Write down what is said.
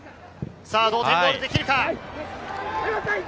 同点ゴールできるか。